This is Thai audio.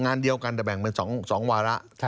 งานเดียวกันแต่แบ่งเป็น๒วาระ